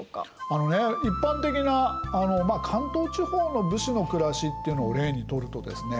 あのね一般的な関東地方の武士の暮らしっていうのを例にとるとですね